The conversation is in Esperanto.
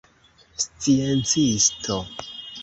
sciencisto